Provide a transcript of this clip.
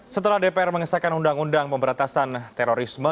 setelah dpr mengesahkan undang undang pemberantasan terorisme